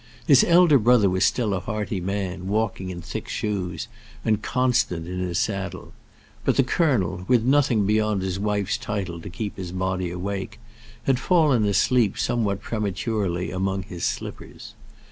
His elder brother was still a hearty man, walking in thick shoes, and constant in his saddle; but the colonel, with nothing beyond his wife's title to keep his body awake, had fallen asleep somewhat prematurely among his slippers.